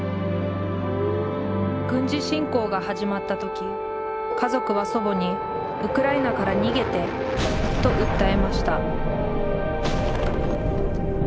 軍事侵攻が始まった時家族は祖母に「ウクライナから逃げて」と訴えました